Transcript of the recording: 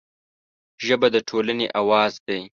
ژبه د ټولنې اواز دی